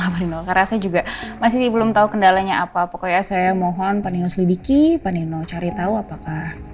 karena saya juga masih belum tahu kendalanya apa pokoknya saya mohon panino cari tahu apakah